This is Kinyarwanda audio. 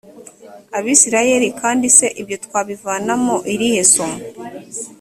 abisirayeli kandi se ibyo twabivanamo irihe somo